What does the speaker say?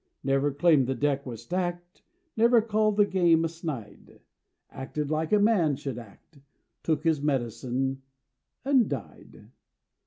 Never claimed the deck was stacked, Never called the game a snide, Acted like a man should act, Took his medicine an' died!